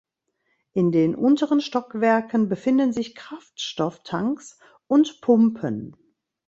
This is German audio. In den unteren Stockwerken befinden sich Kraftstofftanks und Pumpen.